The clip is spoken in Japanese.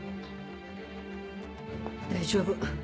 大丈夫。